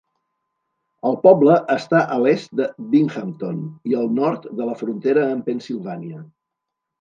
El poble està a l'est de Binghamton i al nord de la frontera amb Pensilvània.